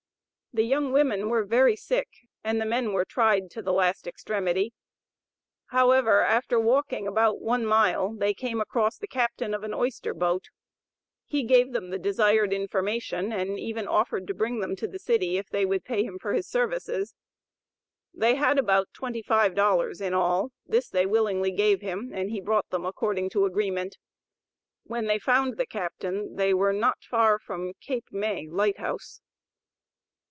The young women were very sick, and the men were tried to the last extremity; however, after walking about one mile, they came across the captain of an oyster boat. They perceived that he spoke in a friendly way, and they at once asked directions with regard to Philadelphia. He gave them the desired information, and even offered to bring them to the city if they would pay him for his services. They had about twenty five dollars in all. This they willingly gave him, and he brought them according to agreement. When they found the captain they were not far from Cape May light house.